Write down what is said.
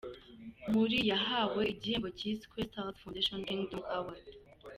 Muri yahawe igihembo cyiswe “Stars Foundation Kingdom Award”.